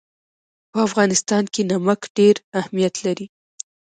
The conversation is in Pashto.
په افغانستان کې نمک ډېر اهمیت لري.